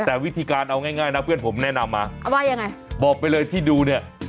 แต่วิธีการเอาง่ายนะเพื่อนผมแนะนำมาบอกไปเลยที่ดูเนี่ยว่ายังไง